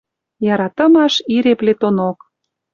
Яратымаш ире плетонок.